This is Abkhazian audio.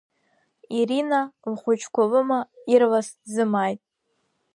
Ирина, лхәыҷқәа лыма, ирлас дзымааит.